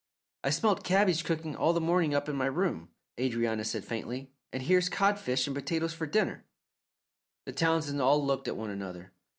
"I smelt cabbage cooking all the morning up in my room," Adrianna said faintly, "and here's codfish and potatoes for dinner." The Townsends all looked at one another.